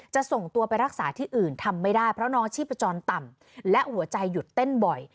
ส่งตัวไปรักษาที่อื่นทำไม่ได้เพราะน้องอาชีพจรต่ำและหัวใจหยุดเต้นบ่อย